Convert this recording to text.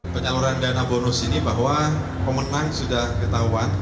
penyaluran dana bonus ini bahwa pemenang sudah ketahuan